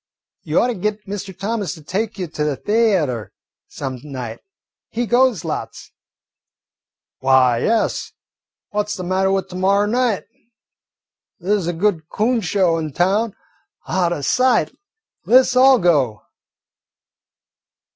"You ought to git Mr. Thomas to take you to the th'atre some night. He goes lots." "Why, yes, what 's the matter with to morrer night? There 's a good coon show in town. Out o' sight. Let 's all go."